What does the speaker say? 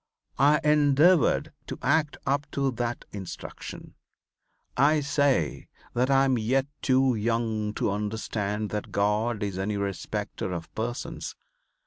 I endeavored to act up to that instruction. I say that I am yet too young to understand that God is any respecter of persons.